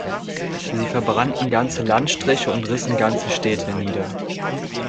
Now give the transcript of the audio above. Sie verbrannten ganze Landstriche und rissen ganze Städte nieder.